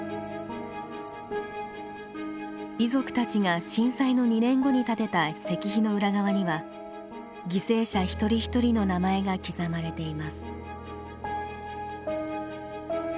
遺族たちが震災の２年後に建てた石碑の裏側には犠牲者一人一人の名前が刻まれています。